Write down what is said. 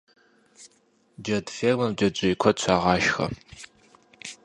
Джэд фермэм джэджьей куэд щагъашхэ.